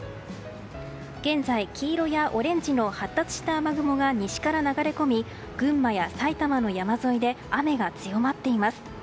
現在、黄色やオレンジの発達した雨雲が西から流れ込み群馬や埼玉の山沿いで雨が強まっています。